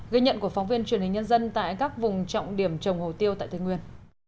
ghi nhận của phóng viên truyền hình nhân dân tại các vùng trọng điểm trồng hồ tiêu tại tây nguyên